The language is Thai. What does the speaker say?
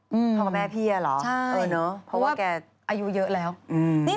อืมพ่อกับแม่พี่อ่ะเหรอใช่เออเนอะเพราะว่าแกอายุเยอะแล้วอืมนี่